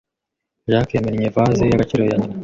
Jack yamennye vase y'agaciro ya nyina,